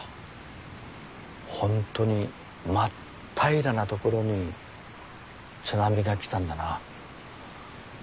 ほんとに真っ平らな所に津波が来たんだな。